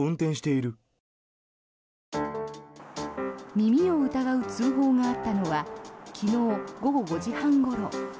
耳を疑う通報があったのは昨日午後５時半ごろ。